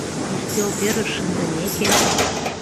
Ӱстелтӧрыш шындымеке